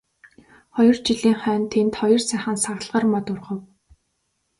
Хоёр жилийн хойно тэнд хоёр сайхан саглагар мод ургав.